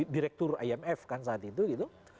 direktur imf kan saat itu gitu